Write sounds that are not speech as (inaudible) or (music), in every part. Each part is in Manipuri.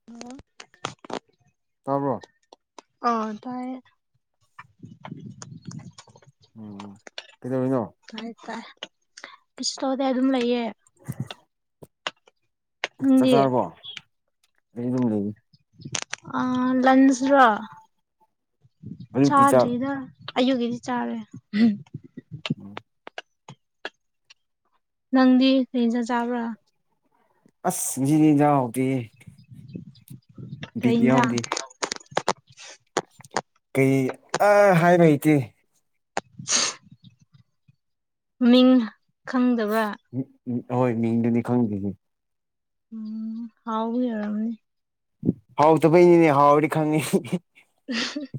(inaudible) ꯇꯥꯕ꯭ꯔꯣ ꯑꯣ ꯇꯥꯏꯌꯦ ꯎꯝ ꯀꯩꯗꯧꯔꯤꯅꯣ ꯇꯥꯏ ꯇꯥꯏ ꯀꯩꯁꯨ ꯇꯧꯗꯤ ꯑꯗꯨꯝ ꯂꯩꯌꯦ ꯆꯥꯛ ꯅꯪꯗꯤ ꯆꯥꯔꯕꯣ ꯑꯩ ꯑꯗꯨꯝ ꯂꯩꯅꯤ ꯑꯥ ꯂꯟꯁꯔꯥ ꯑꯌꯨꯛꯀꯤ ꯆꯥꯛ ꯆꯥꯗ꯭ꯔꯤꯗ ꯑꯌꯨꯛꯒꯤꯗꯤ ꯆꯥꯔꯦ ꯑꯍꯝ (inaudible) ꯅꯪꯗꯤ ꯀꯔꯤ ꯏꯟꯁꯥꯡ ꯆꯥꯕ꯭ꯔꯥ ꯑꯁ ꯉꯁꯤꯗꯤ ꯏꯟꯖꯥꯡ ꯍꯥꯎꯇꯦꯍꯦ ꯀꯩ ꯕꯤꯠ ꯏꯟꯖꯥꯡ ꯌꯥꯎꯗꯦ ꯀꯩ ꯑꯥ ꯍꯥꯏꯕ ꯍꯩꯇꯦ ꯃꯤꯡ ꯈꯪꯗꯕ꯭ꯔꯥ ꯎ ꯎ ꯍꯣꯏ ꯃꯤꯡꯗꯨꯗꯤ ꯈꯪꯗꯦꯅꯦ ꯎꯝ ꯍꯥꯎꯕꯩ ꯑꯣꯏꯔꯝꯅꯤ ꯍꯥꯎꯇꯕꯩꯅꯤꯅꯦ ꯍꯥꯎꯔꯗꯤ ꯈꯪꯉꯤ (unintelligible)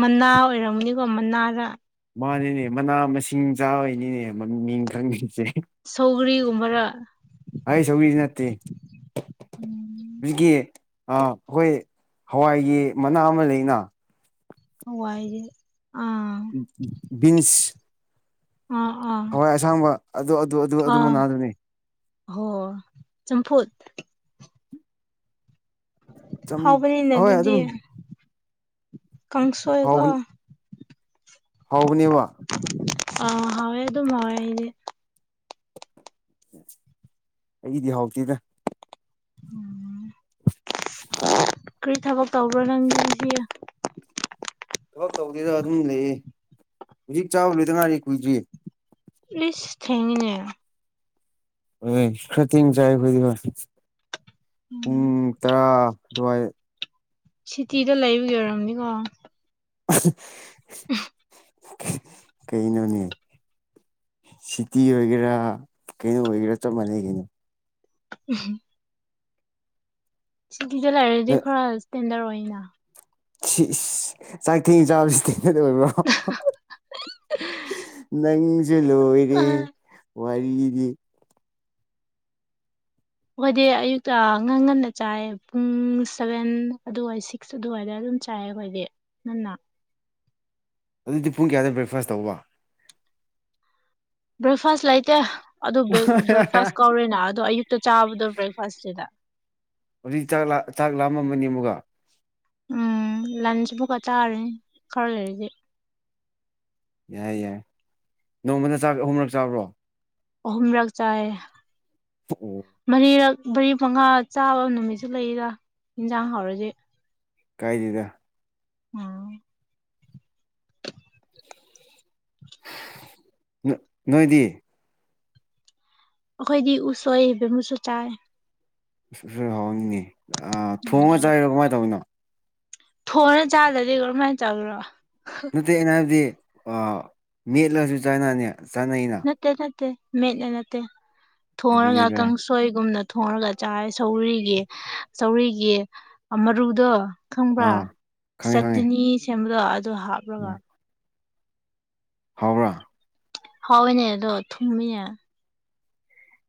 ꯃꯅꯥ ꯑꯣꯏꯔꯝꯅꯤꯀꯣ ꯃꯅꯥꯔꯥ ꯃꯥꯟꯅꯤꯅꯦ ꯃꯅꯥ ꯃꯁꯤꯡ ꯆꯥꯕꯩꯅꯤꯅꯦ ꯃ ꯃꯤꯡ ꯈꯪꯉꯤꯁꯦ ꯁꯧꯒ꯭ꯔꯤꯒꯨꯝꯕꯔꯥ ꯑꯩ ꯁꯧꯒ꯭ꯔꯤꯗꯤ ꯅꯠꯇꯦ ꯎꯝ ꯍꯨꯖꯤꯛꯀꯤ ꯑ ꯈꯣꯏ ꯍꯋꯥꯏꯒꯤ ꯃꯅꯥ ꯑꯃ ꯂꯩꯅꯥ ꯍꯋꯥꯏꯒꯤ ꯑꯥ ꯕꯤꯟꯁ ꯑꯥ ꯑꯥ ꯍꯋꯥꯏ ꯑꯁꯥꯡꯕ ꯑꯗꯨ ꯑꯗꯨ ꯑꯗꯨ ꯑꯗꯨ ꯑꯥ ꯃꯅꯥꯗꯨꯅꯤ ꯍꯣ ꯆꯝꯐꯨꯠ ꯆꯝ ꯍꯥꯎꯕꯅꯤꯅꯦ ꯍꯣꯏ ꯑꯗꯨꯗꯤ ꯑꯗꯨꯝ ꯀꯥꯡꯁꯣꯏꯀꯣ ꯍꯥꯎꯕ ꯍꯥꯎꯕꯅꯦꯕ ꯑ ꯍꯥꯎꯋꯦ ꯑꯗꯨꯝ ꯍꯥꯎꯋꯦ ꯑꯩꯗꯤ ꯑꯩꯒꯤꯗꯤ ꯍꯥꯎꯇꯦꯗꯥ ꯎꯝ ꯀꯔꯤ ꯊꯕꯛ ꯇꯧꯕ꯭ꯔꯥ ꯅꯪꯒꯤꯗꯨꯗꯤ ꯊꯕꯛ ꯇꯧꯗꯦꯗ ꯑꯗꯨꯝ ꯂꯩꯌꯦ ꯍꯧꯖꯤꯛ ꯆꯥꯕ ꯂꯣꯏꯗ ꯉꯥꯏꯔꯤ ꯀꯨꯏꯗ꯭ꯔꯤ ꯏꯁ ꯊꯦꯡꯉꯤꯅꯦ ꯍꯣꯏ ꯈꯔ ꯊꯦꯡ ꯆꯥꯏ ꯑꯩꯈꯣꯏꯗꯤ ꯍꯣꯏ ꯎꯝ ꯄꯨꯡ ꯇꯔꯥ ꯑꯗꯨꯋꯥꯏ ꯁꯤꯇꯤꯗ ꯂꯩꯕꯒꯤ ꯑꯣꯏꯔꯝꯅꯤꯀꯣ (unintelligible) (unintelligible) ꯀꯩꯅꯣꯅꯦ ꯁꯤꯇꯤ ꯑꯣꯏꯒꯦꯔꯥ ꯀꯩꯅꯣ ꯑꯣꯏꯒꯦꯔꯥ ꯆꯞ ꯃꯥꯟꯅꯩ ꯀꯩꯅꯣ (unintelligible) ꯁꯤꯇꯤꯗꯦ ꯂꯩꯔꯗꯤ ꯈꯔ ꯏꯁ꯭ꯇꯦꯟꯗꯔꯗ ꯑꯣꯏꯅꯥ ꯁꯤꯁ ꯆꯥꯛ ꯊꯦꯡ ꯆꯥꯕꯁꯤꯗꯤ ꯗ꯭ꯔꯗ ꯑꯣꯏꯕ꯭ꯔꯣ ꯅꯪꯁꯨ ꯂꯣꯏꯔꯦ ꯑꯩꯈꯣꯏꯗꯤ ꯋꯥꯔꯤꯗꯤ ꯑꯈꯣꯏꯗꯤ ꯑꯌꯨꯛꯇ ꯉꯟ ꯉꯟꯅ ꯆꯥꯏ ꯄꯨꯡ ꯁꯚꯦꯟ ꯑꯗꯨꯋꯥꯏꯁꯤ ꯑꯁ ꯑꯗꯨꯋꯥꯏꯗ ꯑꯗꯨꯝ ꯆꯥꯏꯌꯦ ꯑꯩꯈꯣꯏꯗꯤ ꯉꯟꯅ ꯑꯗꯨꯗꯤ ꯄꯨꯡ ꯀꯌꯥꯗ ꯕ꯭ꯔꯦꯛꯐꯥꯁ ꯇꯧꯕ ꯕ꯭ꯔꯦꯛꯐꯥꯁ ꯂꯩꯇꯦ ꯑꯗꯨ ꯕ꯭ꯔꯦꯛ ꯕ꯭ꯔꯦꯛꯐꯥꯁ ꯀꯧꯔꯦꯅꯥ ꯑꯗꯣ ꯑꯌꯨꯛꯇ ꯆꯥꯕꯗꯣ ꯕ꯭ꯔꯦꯛꯐꯥꯁꯁꯤꯗ ꯍꯧꯖꯤꯛ ꯆꯥꯛ ꯂꯥ ꯆꯥꯛ ꯂꯥꯝꯃꯝꯃꯅꯤ ꯑꯃꯨꯛꯀ ꯎꯝ ꯂꯟꯁ ꯑꯃꯨꯛꯀ ꯆꯥꯔꯅꯤ ꯈꯔ ꯂꯩꯔꯗꯤ ꯌꯥꯏ ꯌꯥꯏ ꯅꯣꯡꯃꯅ ꯆꯥꯛ ꯑꯍꯨꯝꯔꯛ ꯆꯥꯕ꯭ꯔꯣ ꯑꯍꯨꯝꯔꯛ ꯆꯥꯏ ꯄꯣ ꯃꯔꯤꯔꯛ ꯃꯔꯤ ꯃꯉꯥ ꯆꯥꯕ ꯅꯨꯃꯤꯠꯁꯨ ꯂꯩꯗꯤ ꯏꯟꯖꯥꯡ ꯍꯥꯎꯔꯗꯤ ꯀꯥꯏꯗꯦꯗꯥ ꯑꯝ (unintelligible) ꯅꯣ ꯅꯣꯏꯗꯤ ꯑꯩꯈꯣꯏꯗꯤ ꯎꯁꯣꯏꯕꯦꯝꯃꯨꯁꯨ ꯆꯥꯏ ꯎꯁꯣꯏ ꯍꯥꯎꯔꯅꯤꯅꯦ ꯎꯝ ꯊꯣꯡꯉꯒ ꯆꯥꯏꯔꯣ ꯀꯃꯥꯏꯅ ꯇꯧꯅꯣ ꯊꯣꯡꯉ ꯆꯥꯗꯔꯗꯤ ꯀꯔꯃꯥꯏ ꯆꯥꯒꯦꯔꯣ ꯅꯠꯇꯦ ꯑꯩꯅ ꯍꯥꯏꯕꯗꯤ ꯃꯦꯠꯂꯁꯨ ꯆꯥꯅꯅꯤ ꯆꯥꯅꯩꯅ ꯅꯠꯇꯦ ꯅꯠꯇꯦ ꯃꯦꯠ ꯂ ꯅꯠꯇꯦ ꯊꯣꯡꯔꯒ ꯑꯗꯨꯅꯤꯗ ꯀꯪꯁꯨ ꯎꯁꯣꯏꯒꯨꯝꯅ ꯊꯣꯡꯉꯔꯒ ꯆꯥꯏ ꯁꯧꯒꯔꯤꯒꯤ ꯁꯧꯒꯔꯤꯒꯤ ꯃꯔꯨꯗꯣ ꯈꯪꯕ꯭ꯔꯥ ꯑꯥ ꯈꯪꯉꯦ ꯈꯪꯉꯦ ꯆꯠꯇꯤꯅꯤ ꯁꯦꯝꯕꯗꯣ ꯑꯗꯨ ꯍꯥꯞꯂꯒ ꯍꯥꯎꯕꯔꯥ ꯍꯥꯎꯏꯅꯦ ꯑꯗꯣ ꯊꯨꯝꯃꯤꯅꯦ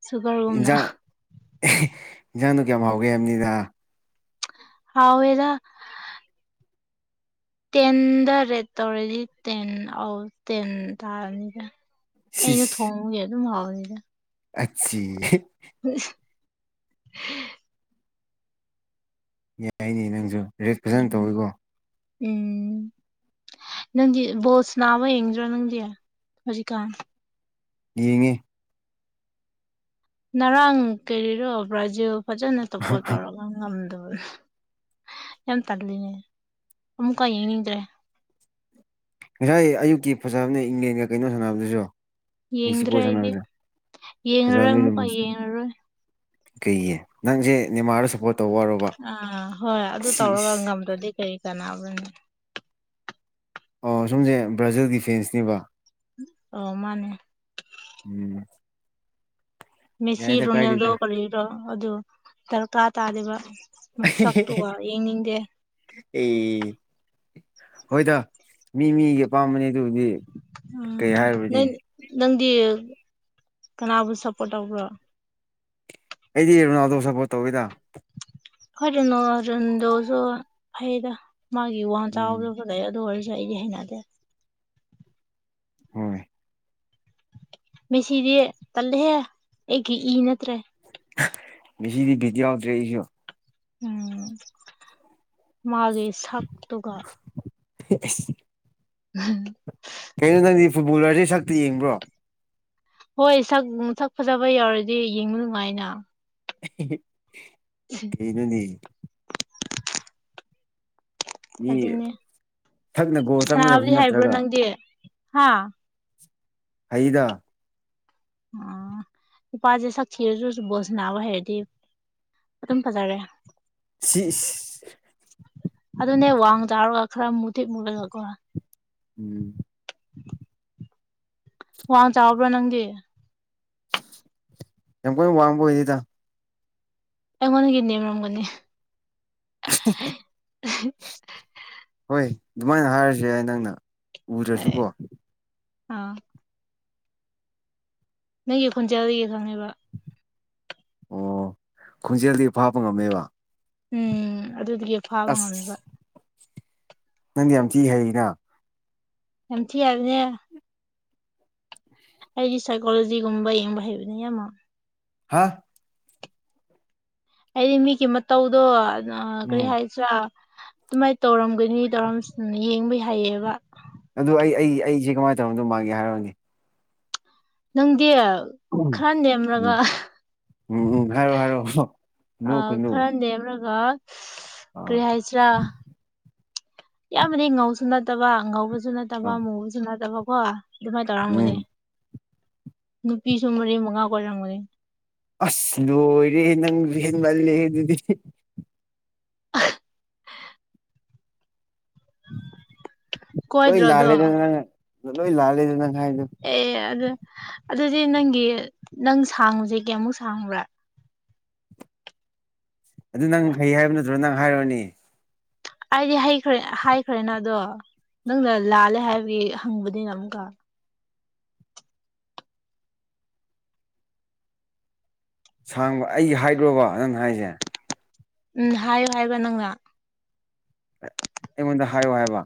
ꯁꯨꯒꯔꯒꯨꯝꯅ ꯏꯟꯖꯥꯡ ꯏꯟꯖꯥꯡꯗꯣ ꯀꯌꯥꯝ ꯍꯥꯎꯒꯦ ꯍꯥꯏꯕꯅꯤꯗ ꯍꯥꯎꯋꯦꯗ ꯇꯦꯟꯗ ꯔꯦꯠ ꯇꯧꯔꯗꯤ ꯇꯦꯟ ꯑꯥꯎ ꯇꯦꯟ ꯇꯥꯔꯅꯤꯗ ꯑꯩꯅ ꯁꯤꯁ ꯊꯣꯡꯕꯒꯤ ꯑꯗꯨꯝ ꯍꯥꯎꯏꯗ (unintelligible) ꯎꯝ ꯌꯥꯏꯅꯦ ꯅꯪꯁꯨ ꯔꯦꯠ ꯐꯖꯅ ꯇꯧꯋꯤꯀꯣ ꯎꯝ ꯅꯪꯗꯤ ꯕꯣꯜ ꯁꯥꯟꯅꯕ ꯌꯦꯡꯗ꯭ꯔꯣ ꯅꯪꯗꯤ ꯍꯧꯖꯤꯛꯀꯥꯟ ꯌꯦꯡꯉꯦ ꯅꯔꯥꯡ ꯀꯔꯤꯔꯣ ꯕ꯭ꯔꯥꯖꯤꯜ ꯐꯖꯅ ꯇꯣꯄꯣ ꯇꯧꯔꯝꯒ ꯉꯝꯗꯕ ꯌꯥꯝ ꯇꯜꯂꯤꯅꯦ ꯑꯃꯨꯛꯀ ꯌꯦꯡꯅꯤꯡꯗ꯭ꯔꯦ ꯉꯁꯥꯏ ꯑꯌꯨꯛꯀꯤ ꯐꯖꯕꯅꯦ ꯏꯪꯂꯦꯟꯒ ꯀꯩꯅꯣ ꯁꯥꯟꯅꯕꯗꯨꯁꯨ ꯌꯦꯡꯗ꯭ꯔꯦ ꯃꯤꯁꯤꯀꯣꯒ ꯑꯩꯗꯤ ꯁꯥꯟꯅꯕꯗꯨ ꯌꯦꯡꯉꯔꯣꯏ ꯐꯖꯥꯕꯅꯦ ꯑꯗꯨ ꯑꯃꯨꯛꯀ ꯌꯦꯡꯉꯔꯣꯏ ꯀꯩꯒꯤ ꯅꯪꯁꯦ ꯅꯦꯃꯥꯔꯗ ꯁꯄꯣꯔꯠ ꯑꯥ ꯍꯣꯏ ꯑꯗꯨ ꯇꯧꯔꯒ ꯉꯝꯗ꯭ꯔꯗꯤ ꯀꯔꯤ ꯀꯥꯟꯅꯕ ꯑꯣ ꯁꯣꯝꯁꯦ ꯕ꯭ꯔꯥꯖꯤꯜꯒꯤ ꯐꯦꯟꯁꯅꯦꯕ ꯑꯣ ꯃꯥꯅꯦ ꯎꯝ ꯃꯦꯁꯤ ꯌꯥꯏꯗ ꯔꯣꯅꯦꯜꯗꯣ ꯀꯥꯏꯗꯦꯗ ꯀꯔꯤꯔ ꯑꯗꯨ ꯗꯔꯀꯥꯔ ꯇꯥꯗꯦꯕ ꯃꯁꯥꯥꯛꯇꯨꯒ ꯌꯦꯡꯅꯤꯡꯗꯦ ꯑꯦ ꯍꯣꯏꯗ ꯃꯤꯃꯤꯒꯤ ꯑꯄꯥꯥꯝꯕꯅꯦ ꯑꯗꯨꯕꯨꯗꯤ ꯎꯝ ꯀꯩ ꯍꯥꯏꯔꯨꯅꯤ ꯅꯪ ꯅꯪꯗꯤ ꯀꯅꯥꯕꯨ ꯁꯞꯄꯣꯔꯠ ꯇꯧꯕ꯭ꯔꯣ ꯑꯩꯗꯤ ꯔꯣꯅꯥꯜꯗꯣ ꯁꯞꯄꯣꯔꯠ ꯇꯧꯋꯤꯗ ꯈꯣꯏꯗꯒꯤ ꯅꯣꯔꯣꯖꯣꯟꯗꯣꯁꯨ ꯐꯩꯗ ꯃꯥꯒꯤ ꯋꯥꯡ ꯎꯝ ꯆꯥꯎꯔꯒ ꯂꯩ ꯑꯗꯨ ꯑꯣꯏꯔꯁꯨ ꯑꯩꯗꯤ ꯍꯩꯅꯗꯦ ꯍꯣꯏ ꯃꯦꯁꯤꯗꯤ ꯇꯜꯂꯤꯍꯦ ꯑꯩꯒꯤ ꯏ ꯅꯠꯇ꯭ꯔꯦ ꯃꯦꯁꯤꯗꯤ ꯕꯤꯠ ꯌꯥꯎꯗ꯭ꯔꯦ ꯑꯩꯁꯨ ꯎꯝ ꯃꯥꯒꯤ ꯁꯥꯛ ꯇꯨꯒ ꯏꯁ ꯎꯝ ꯀꯩꯅꯣ ꯅꯪꯗꯤ ꯐꯨꯠꯕꯣꯜꯂꯔꯁꯦ ꯁꯛꯇ ꯌꯦꯡꯕ꯭ꯔꯣ ꯍꯣꯏ ꯁꯛ ꯁꯛ ꯐꯖꯕ ꯌꯥꯎꯔꯗꯤ ꯌꯦꯡꯕ ꯅꯨꯡꯉꯥꯏꯅ ꯀꯩꯅꯣꯅꯦ ꯃꯤ ꯑꯗꯨꯅꯤ ꯊꯛꯅ ꯒꯣꯜ ꯁꯥꯟꯅꯕꯗꯤ ꯆꯪꯒꯗꯕꯁꯨ ꯍꯥꯏꯕ꯭ꯔꯣ ꯅꯠꯇ꯭ꯔꯒ ꯅꯪꯗꯤ ꯍꯥ ꯍꯩꯗ ꯑ ꯅꯨꯄꯥꯖꯦ ꯁꯥꯛꯊꯤꯔꯁꯨ ꯕꯣꯜ ꯁꯥꯟꯅꯕ ꯍꯩꯔꯗꯤ ꯑꯗꯨꯝ ꯐꯖꯥꯔꯦ ꯁꯤꯁ ꯑꯗꯨꯅꯦ ꯋꯥꯡ ꯆꯥꯎꯔꯒ ꯈꯔ ꯃꯨꯇꯤꯛ ꯃꯨꯔꯒ ꯀꯣ ꯎꯝ (inaudible) ꯋꯥꯡ ꯆꯥꯎꯕ꯭ꯔꯥ ꯅꯪꯗꯤ ꯌꯥꯝ ꯀꯥꯟ ꯋꯥꯡꯕ ꯑꯣꯏꯗꯦꯗ ꯑꯩꯉꯣꯟꯗꯒꯤ ꯅꯦꯝꯃꯝꯒꯅꯤ ꯍꯣꯏ ꯑꯗꯨꯃꯥꯏꯅ ꯍꯥꯏꯔꯖꯨ ꯌꯥꯏ ꯅꯪꯅ ꯎꯗꯔꯁꯨ ꯀꯣ ꯑꯥ ꯅꯪꯒꯤ ꯈꯣꯡꯖꯦꯜꯗꯒꯤ ꯈꯪꯉꯦꯕ ꯑꯣ ꯈꯣꯡꯖꯦꯜꯗꯒꯤ ꯐꯥꯕ ꯉꯝꯃꯦꯕ ꯎꯝ ꯑꯗꯨꯗꯒꯤ ꯐꯥꯕ ꯑꯁ ꯉꯝꯃꯤꯕ ꯅꯪꯗꯤ ꯌꯥꯝ ꯊꯤ ꯍꯩꯅ ꯌꯥꯝ ꯊꯤ ꯍꯩꯕꯅꯦꯍꯦ ꯑꯩꯗꯤ ꯁꯥꯏꯀꯣꯂꯣꯖꯤꯒꯨꯝꯕ ꯌꯦꯡꯕ ꯍꯩꯕꯅꯦ ꯌꯥꯝꯅ ꯍꯥꯥ ꯍꯥꯏꯗꯤ ꯃꯤꯀꯤ ꯃꯇꯧꯗꯣ ꯀꯔꯤ ꯎꯝ ꯍꯥꯏ ꯑꯆꯥ ꯑꯗꯨꯃꯥꯏ ꯇꯧꯔꯝꯒꯅꯤ ꯇꯧꯔꯝꯁ ꯌꯦꯡꯕꯩ ꯍꯩꯌꯦꯕ ꯑꯗꯨ ꯑꯩ ꯑꯩ ꯑꯩꯖꯦ ꯀꯃꯥꯏ ꯇꯧꯔꯝꯗꯧ ꯃꯟꯒꯦ ꯍꯥꯏꯔꯣꯅꯦ ꯅꯪꯗꯤ ꯎꯝ ꯈꯔ ꯅꯦꯝꯔꯒ ꯎꯝ ꯎꯝ ꯎꯝ ꯍꯥꯏꯔꯣ ꯍꯥꯏꯔꯣ ꯑ ꯅꯣ ꯀꯅꯨ ꯈꯔ ꯅꯦꯝꯔꯒ ꯑꯥ ꯀ꯭ꯔꯤ ꯍꯥꯏꯁꯤꯔꯥ ꯌꯥꯝꯅꯗꯤ ꯉꯧꯁꯨ ꯅꯠꯇꯕ ꯉꯧꯕꯁꯨ ꯅꯠꯇꯕ ꯑꯥ ꯃꯨꯕꯁꯨ ꯅꯠꯇꯕ ꯀꯣ ꯑꯗꯨꯃꯥꯏꯅ ꯎꯝ ꯇꯧꯔꯝꯒꯅꯤ ꯅꯨꯄꯤꯁꯨ ꯃꯔꯤ ꯃꯉꯥ ꯀꯣꯏꯔꯝꯒꯅꯤ ꯑꯁ ꯂꯣꯏꯔꯦꯍꯦ ꯅꯪꯁꯨ ꯍꯦꯟꯃꯜꯂꯦ ꯑꯗꯨꯗꯤ ꯂꯣꯏ ꯀꯣꯏꯗ꯭ꯔꯣꯗꯣ ꯂꯥꯜꯂꯦꯗ ꯅꯪ ꯍꯥꯢꯗꯣ ꯂꯣꯏ ꯂꯥꯜꯂꯦꯗ ꯅꯪ ꯍꯥꯏꯗꯨ ꯑꯦ ꯑꯗꯨ ꯑꯗꯨꯗꯤ ꯅꯪꯒꯤ ꯅꯪ ꯁꯥꯡꯕꯁꯦ ꯀꯌꯥꯃꯨꯛ ꯁꯥꯡꯕ꯭ꯔꯥ ꯑꯗꯨ ꯅꯪ ꯍꯩ ꯍꯥꯏꯕ ꯅꯠꯇ꯭ꯔꯣ ꯅꯪ ꯍꯥꯏꯔꯣꯅꯦ ꯑꯩꯗꯤ ꯍꯩꯈ꯭ꯔꯦ ꯍꯥꯏꯈ꯭ꯔꯦꯅ ꯑꯗꯣ ꯅꯪꯅ ꯂꯥꯜꯂꯦ ꯍꯥꯏꯕꯒꯤ ꯍꯪꯕꯅꯤꯅ ꯑꯃꯨꯛꯀ ꯁꯥꯡꯕ ꯑꯩ ꯍꯩꯢꯠꯔꯣꯕꯣ ꯅꯪ ꯍꯥꯏꯁꯦ ꯎꯝ ꯍꯥꯏꯌꯨ ꯍꯥꯏꯕ ꯅꯪꯅ ꯑꯩꯉꯣꯟꯗ ꯍꯥꯏꯌꯣ ꯍꯥꯏꯕ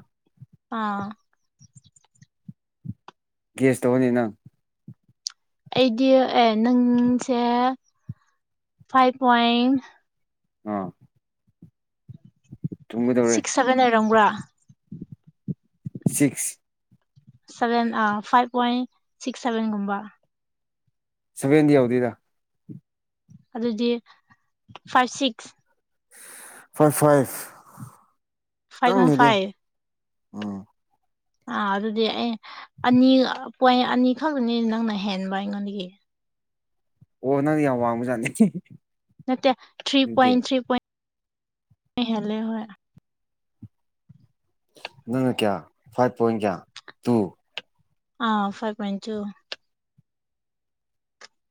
ꯑꯥ ꯒꯦꯁ ꯇꯧꯑꯣꯅꯦ ꯅꯪ ꯑꯩꯗꯤ ꯑꯦ ꯅꯪꯁꯦ ꯐꯥꯏꯚ ꯄꯣꯏꯟ ꯑꯥ ꯊꯨꯝꯒꯗꯧꯔꯦ ꯁꯤꯛꯁ ꯁꯚꯦꯟ ꯂꯩꯔꯝꯕ꯭ꯔꯥ ꯁꯤꯛꯁ ꯁꯚꯦꯟ ꯑꯥ ꯐꯥꯏꯚ ꯄꯣꯏꯟ ꯁꯤꯛꯁ ꯁꯚꯦꯟꯒꯨꯝꯕ ꯁꯥꯚꯦꯟꯗꯤ ꯌꯧꯗꯦꯗ ꯑꯗꯨꯗꯤ five six four five five ꯈꯤꯇꯪ ꯋꯥꯟ ꯍꯦꯜꯂꯤ ꯐꯥꯏꯚ ꯎꯝ ꯑꯥ ꯑꯗꯨꯗꯤ ꯑꯩ ꯑꯅꯤ ꯄꯣꯏꯟ ꯑꯅꯤꯈꯛꯅꯤ ꯅꯪꯅ ꯍꯦꯟꯕ ꯑꯩꯉꯣꯟꯗꯒꯤ ꯑꯣ ꯅꯪ ꯌꯥꯝ ꯋꯥꯡꯕꯖꯥꯠꯅꯤ ꯅꯠꯇꯦ ꯊ꯭ꯔꯤ ꯑꯗꯨꯗꯤ ꯄꯣꯏꯟ ꯊ꯭ꯔꯤ ꯄꯣꯏꯟ ꯍꯦꯜꯂꯦ ꯍꯣꯏ ꯅꯪꯅ ꯀꯌꯥ ꯐꯥꯏꯚ ꯄꯣꯏꯟ ꯀꯌꯥ ꯇꯨ ꯑꯥ ꯐꯥꯏꯚ ꯄꯣꯏꯟ ꯇꯨ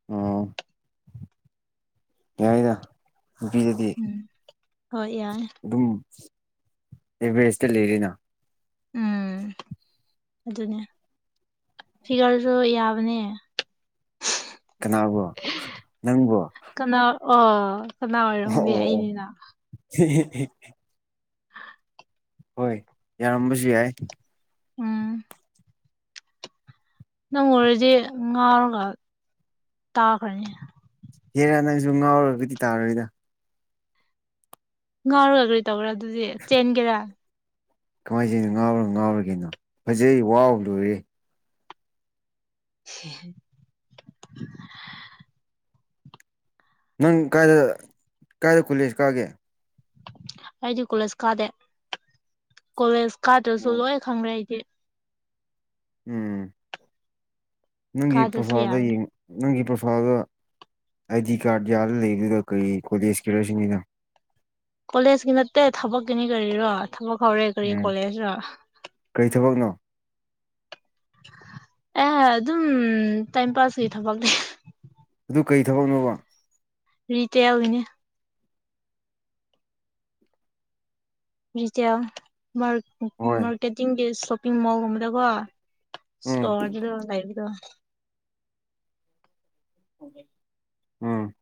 ꯎꯝ ꯌꯥꯏꯗ ꯅꯨꯄꯤꯗꯗꯤ ꯎꯝ ꯍꯣꯏ ꯌꯥꯏ ꯑꯗꯨꯝ ꯑꯦꯚꯔꯦꯁꯇ ꯂꯩꯔꯦꯅ ꯎꯝ ꯑꯗꯨꯅꯦ ꯐꯤꯒꯔꯁꯨ ꯌꯥꯕꯅꯦ ꯀꯅꯥꯕꯣ ꯅꯪꯕꯣ ꯀꯅꯥ ꯑꯣ ꯀꯅꯥ ꯑꯣꯏꯔꯝꯒꯅꯤ ꯑꯣ ꯑꯩꯅꯤꯅ (unintelligible) ꯍꯣꯏ ꯌꯥꯔꯝꯕꯁꯨ ꯌꯥꯏ ꯎꯝ ꯅꯪ ꯎꯔꯗꯤ ꯉꯥꯎꯔꯒ ꯇꯥꯈ꯭ꯔꯅꯤ ꯍꯦꯔꯥ ꯅꯪꯁꯨ ꯉꯥꯎꯔꯒꯗꯤ ꯇꯥꯔꯣꯏꯗ ꯉꯥꯎꯔꯒ ꯀꯔꯤ ꯇꯧꯒꯦꯔ ꯑꯗꯨꯗꯤ ꯆꯦꯟꯒꯦꯔ ꯀꯃꯥꯏꯅ ꯆꯦꯟꯗꯣꯏꯅꯣ ꯉꯥꯎꯔ ꯉꯥꯎꯔꯦ ꯀꯩꯅꯣ ꯐꯖꯩ ꯋꯥꯎ ꯂꯣꯏꯔꯦ (unintelligible) ꯅꯪ ꯀꯥꯏꯗ ꯀꯥꯏꯗ ꯀꯣꯂꯦꯖ ꯀꯥꯒꯦ ꯑꯩꯗꯤ ꯀꯣꯂꯦꯖ ꯀꯥꯗꯦ ꯀꯣꯂꯦꯖ ꯀꯥꯗ꯭ꯔꯁꯨ ꯂꯣꯏ ꯈꯪꯂꯦ ꯑꯩꯗꯤ ꯎꯝ ꯅꯪꯒꯤ ꯀꯥꯗ꯭ꯔꯁꯨ ꯄ꯭ꯔꯣꯐꯥꯏꯜꯗꯣ ꯌꯥꯔꯦ ꯌꯦꯡ ꯅꯪꯒꯤ ꯄ꯭ꯔꯣꯐꯥꯏꯜꯗ ꯑꯥꯏ ꯗꯤ ꯀꯥ꯭ꯔꯗ ꯌꯥꯜ ꯂꯩꯕꯗꯨꯗ ꯀꯔꯤ ꯀꯣꯂꯦꯖ ꯀꯤꯔꯁꯤꯅꯤꯗ ꯀꯣꯂꯦꯖꯀꯤ ꯅꯠꯇꯦ ꯊꯕꯛꯀꯤꯅꯤ ꯀꯔꯤꯔꯣ ꯊꯕꯛ ꯍꯧꯔꯦ ꯀꯔꯤ ꯎꯝ ꯀꯣꯂꯦꯖꯔ ꯀꯔꯤ ꯊꯕꯛꯅꯣ ꯑꯦ ꯑꯗꯨꯝ ꯇꯥꯏꯝ ꯄꯥꯁꯀꯤ ꯊꯕꯛꯅꯦ ꯑꯗꯨ ꯀꯩ ꯊꯕꯛꯅꯣꯕ ꯔꯤꯇꯦꯜꯒꯤꯅꯤ ꯔꯤꯇꯦꯜ ꯃꯥꯔ ꯍꯣꯏ ꯃꯥꯔꯀꯦꯠꯇꯤꯡꯒꯤ ꯁꯣꯞꯄꯤꯡ ꯃꯣꯜꯒꯨꯝꯕꯗꯀꯣ ꯎꯝ ꯏꯁꯇꯣꯔꯗ ꯑꯗꯨꯝ ꯂꯩꯕꯗꯨ ꯎꯝ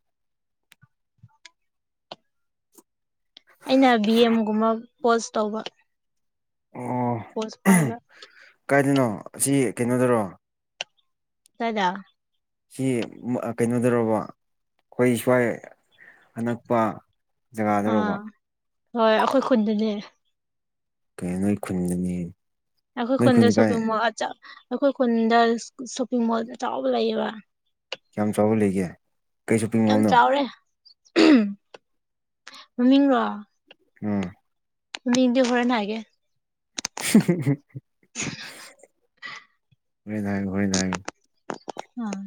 ꯑꯩꯅ ꯚꯤꯑꯦꯝꯒꯨꯝꯅ ꯄꯣꯁ ꯇꯧꯕ ꯑꯣ ꯄꯣꯁ ꯄꯥꯏꯕ ꯀꯥꯏꯗꯅꯣ ꯑꯁꯤ ꯀꯩꯅꯣꯗꯔꯣ ꯀꯗꯥꯏꯗ ꯁꯤ ꯑꯥ ꯀꯩꯅꯣꯗꯔꯕ ꯑꯩꯈꯣꯏ ꯁꯋꯥꯏ ꯑꯅꯛꯄ ꯑꯥ ꯖꯒꯥꯗꯔꯣꯕ ꯍꯣꯏ ꯑꯩꯈꯣꯏ ꯈꯨꯟꯗꯅꯦ ꯀꯩ ꯅꯣꯏ ꯈꯨꯟꯗꯅꯤ ꯑꯩꯈꯣꯏ ꯅꯣꯏ ꯈꯨꯟꯗ ꯈꯨꯟ ꯀꯥꯏ ꯁꯣꯞꯄꯤꯡ ꯃꯣꯜ ꯑꯆꯧ ꯑꯩꯈꯣꯏ ꯈꯨꯟꯗ ꯁꯣꯞꯄꯤꯡ ꯃꯣꯜ ꯑꯆꯧꯕ ꯂꯩꯌꯦꯕ ꯀꯌꯥꯝ ꯆꯥꯎꯕ ꯂꯩꯒꯦ ꯀꯩ ꯁꯣꯄꯤꯡ ꯌꯥꯝ ꯃꯣꯜꯅꯣ ꯆꯥꯎꯔꯦ ꯎꯝ ꯃꯃꯤꯡꯔꯣ ꯎꯝ ꯃꯤꯡꯗꯤ ꯍꯣꯔꯦꯟ ꯍꯥꯏꯒꯦ ꯑꯣꯔꯦꯟ ꯅꯥꯏꯌꯣ ꯍꯣꯔꯦꯟ ꯅꯥꯏ ꯑꯥ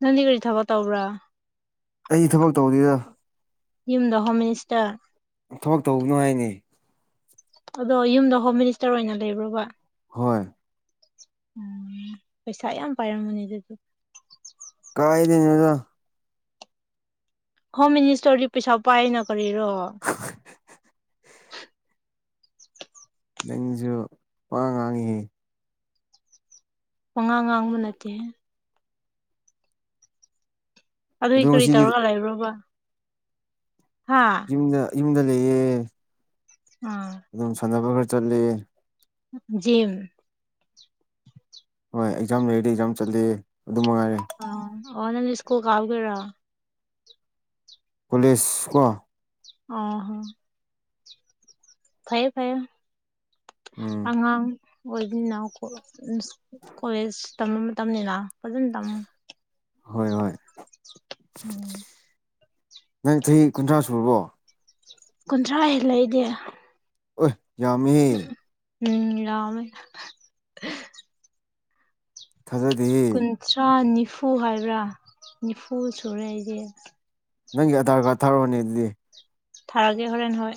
ꯅꯪꯗꯤ ꯀꯔꯤ ꯊꯕꯛ ꯇꯧꯕ꯭ꯔꯥ ꯑꯩ ꯊꯕꯛ ꯇꯧꯗꯦꯗ ꯌꯨꯝꯗ ꯍꯣꯝ ꯃꯤꯅꯤꯁꯇꯔ ꯊꯣꯛ ꯇꯧꯕꯅꯣ ꯍꯥꯏꯅꯦ ꯑꯗꯣ ꯌꯨꯝꯗꯣ ꯍꯣꯝ ꯃꯤꯅꯤꯁꯇꯔ ꯑꯣꯏꯅ ꯂꯩꯕ꯭ꯔꯣꯕ ꯍꯣꯏ ꯎꯝ ꯄꯩꯁꯥ ꯌꯥꯝ ꯄꯥꯏꯔꯝꯒꯅꯤ ꯑꯗꯨꯗꯤ꯫ ꯀꯥꯏꯗꯩꯅꯣꯗ ꯍꯣꯝ ꯃꯤꯅꯤꯁꯇꯔꯗꯤ ꯄꯩꯁꯥ ꯄꯥꯏꯅ ꯀꯔꯤꯔꯣ꯫ ꯅꯪꯖꯨ ꯄꯉꯥꯡ ꯉꯥꯡꯉꯦꯍꯦ꯫ ꯄꯉꯥꯡ ꯉꯥꯡꯕ ꯅꯠꯇꯦꯍꯦ ꯑꯗꯣ ꯑꯗꯨꯏ ꯀꯔꯤ ꯉꯁꯤꯗꯤ ꯇꯧꯔꯒꯥ ꯂꯩꯕ꯭ꯔꯣꯕ꯫ ꯍꯥꯥ ꯃꯨꯡꯗ ꯏꯃꯨꯡꯗ ꯂꯩꯌ‌ꯦ ꯑꯥ ꯑꯗꯨꯝ ꯁꯥꯟꯅꯕꯥꯒ ꯆꯠꯂꯦ ꯖꯤꯝ ꯍꯣꯏ ꯑꯦꯛꯖꯥꯝ ꯂꯩꯔꯗꯤ ꯑꯦꯛꯖꯥꯝ ꯆꯠꯂꯦ ꯑꯗꯨ ꯃꯉꯥꯏꯔꯦ꯫ ꯑꯥ ꯑꯣ ꯅꯪꯗꯤ ꯁ꯭ꯀꯨꯜ ꯀꯥꯎꯗꯨꯏꯔꯣ ꯀꯣꯂꯦꯖꯀꯣ ꯑꯥ ꯍꯥ ꯐꯩꯌ‌ꯦ ꯐꯩꯌ‌ꯦ ꯎꯝ ꯑꯉꯥꯡ ꯑꯣꯏꯕꯅꯤꯅ ꯀꯣ ꯀꯣꯂꯦꯖ ꯇꯝꯕ ꯃꯇꯝꯅꯤꯅ ꯐꯖꯟ ꯇꯝꯃꯨ ꯍꯣꯏ ꯍꯣꯏ ꯎꯝ ꯅꯪ ꯆꯍꯤ ꯀꯨꯟꯊ꯭ꯔꯥ ꯁꯨꯔꯕꯣ ꯀꯨꯟꯊ꯭ꯔꯥ ꯍꯦꯜꯂ‌ꯦ ꯑꯩꯗꯤ ꯎꯏ ꯌꯥꯝꯃꯦꯌꯦ ꯎꯝ ꯌꯥꯝꯃꯦ ꯊꯥꯖ‌ꯗ‌ꯦꯍꯦ ꯊ꯭ꯔꯥ ꯅꯤꯐꯨ ꯍꯥꯏꯕ꯭ꯔꯥ ꯅꯤꯐꯨ ꯁꯨꯔꯦ ꯑꯩꯗꯤ꯫ ꯅꯪꯒꯤ ꯑꯙꯥꯔ ꯀꯥꯔꯗ ꯊꯥꯔꯛꯑꯣꯅꯦ ꯑꯗꯨꯗꯤ꯫ ꯊꯔꯛꯒꯦ ꯍꯔꯣꯟ ꯍꯣꯏ꯫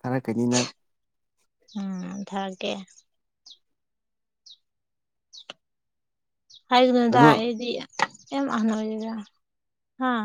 ꯊꯥꯔꯛꯀꯅꯤ ꯅꯪ꯫ ꯎꯝ ꯊꯥꯥꯔꯛꯀꯦ꯫ (unintelligible) ꯑꯗꯣ ꯌꯥꯝ ꯑꯍꯥꯜ ꯑꫭꯏꯗꯅ ꯍꯥꯥ꯫